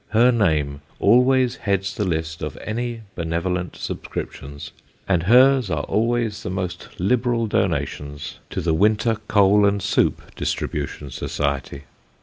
Her name always heads the list of any benevolent subscrip tions, and hers are always the most liberal donations to the Winter Coal and Soup Distribution Society.